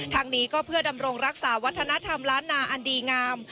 ทางนี้ก็เพื่อดำรงรักษาวัฒนธรรมล้านนาอันดีงาม